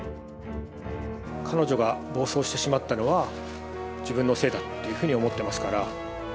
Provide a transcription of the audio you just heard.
彼女が暴走してしまったのは、自分のせいだっていうふうに思ってますから。